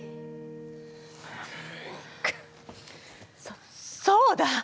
そそうだ！